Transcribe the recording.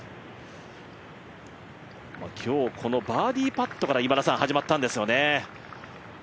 今日このバーディーパットから始まったんですよね。